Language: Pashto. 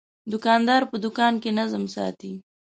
دوکاندار په دوکان کې نظم ساتي.